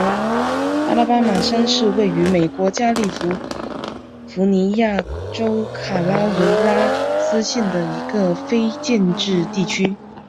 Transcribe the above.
阿拉巴马山是位于美国加利福尼亚州卡拉韦拉斯县的一个非建制地区。